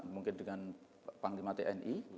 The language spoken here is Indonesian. mungkin dengan pantai mati ni